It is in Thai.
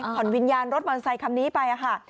ผ่อนวิญญาณรถมอเตอร์ไซค์คำนี้ไปค่ะ